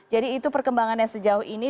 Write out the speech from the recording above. jadi itu perkembangannya sejauh ini